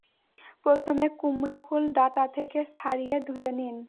প্রথমে কুমড়া ফুল ডাটা থেকে ছাড়িয়ে ধুয়ে নিন।